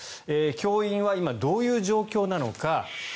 教員は今、どういう状況なのか。